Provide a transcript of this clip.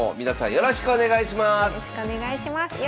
よろしくお願いします。